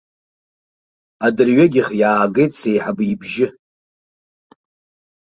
Адырҩегьых иаагеит сеиҳабы ибжьы.